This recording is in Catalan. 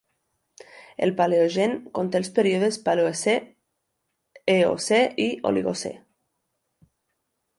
El Paleogen conté els períodes Paleocè, Eocè i Oligocè.